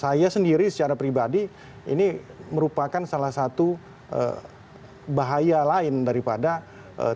saya sendiri secara pribadi ini merupakan salah satu bahaya lain daripada tidak